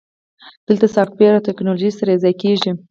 دلته سافټویر او ټیکنالوژي سره یوځای کیږي.